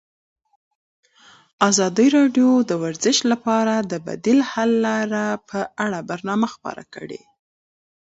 ازادي راډیو د ورزش لپاره د بدیل حل لارې په اړه برنامه خپاره کړې.